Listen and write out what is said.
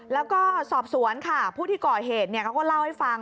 แล้วก็สอบสวนค่ะผู้ที่ก่อเหตุเขาก็เล่าให้ฟัง